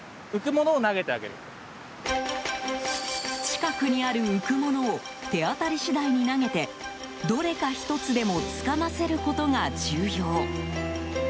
近くにある浮くものを手当たり次第に投げてどれか１つでもつかませることが重要。